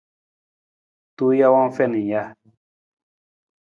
Tuu jawang u fiin ng ja.